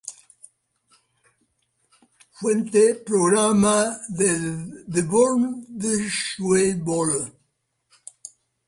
Fuente: Programa del The Born This Way Ball.